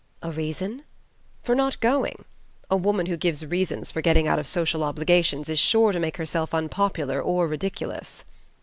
"A reason?" "For not going. A woman who gives reasons for getting out of social obligations is sure to make herself unpopular or ridiculous.